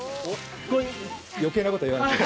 余計なことは言わないで。